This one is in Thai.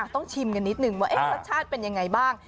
ต้องชิมกันนิดนึงว่ารสชาติเป็นยังไงบ้าง